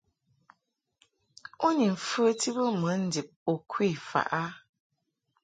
U ni mfəti bə mɨ ndib u kwe faʼ a ?